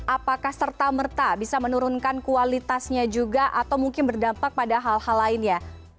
apakah serta merta bisa menurunkan kualitasnya juga atau mungkin berdampak pada hal hal lainnya